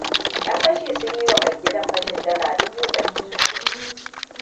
Ƴan fashi sun yiwa mai gidan fashin dala dubu ɗari sun gudu.